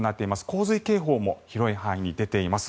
洪水警報も広い範囲に出ています。